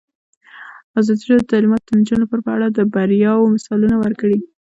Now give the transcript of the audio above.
ازادي راډیو د تعلیمات د نجونو لپاره په اړه د بریاوو مثالونه ورکړي.